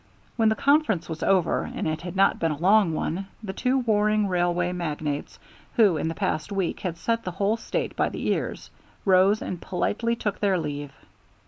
When the conference was over, and it had not been a long one, the two warring railway magnates, who in the past week had set the whole State by the ears, rose and politely took their leave.